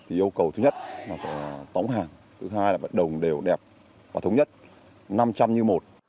thì yêu cầu thứ nhất là sóng hàng thứ hai là vận đồng đều đẹp và thống nhất năm trăm linh như một